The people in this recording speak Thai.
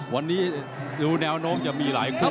วันนี้ดูแนวโน้มจะมีหลายครั้ง